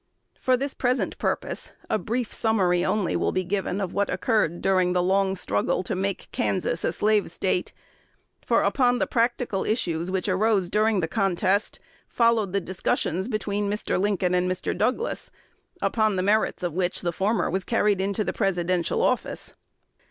For this present purpose, a brief summary only will be given of what occurred during the long struggle to make Kansas a Slave State; for upon the practical issues which arose during the contest followed the discussions between Mr. Lincoln and Mr. Douglas, upon the merits of which the former was carried into the Presidential office.